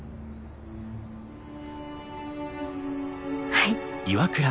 はい。